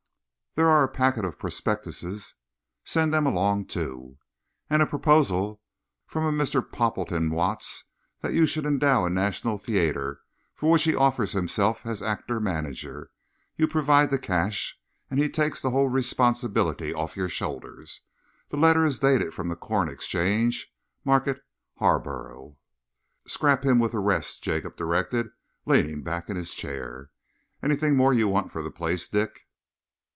"There are a packet of prospectuses " "Send them along, too." "And a proposal from a Mr. Poppleton Watts that you should endow a national theatre, for which he offers himself as actor manager. You provide the cash, and he takes the whole responsibility off your shoulders. The letter is dated from the Corn Exchange, Market Harborough." "Scrap him with the rest," Jacob directed, leaning back in his chair. "Anything more you want for the place, Dick?"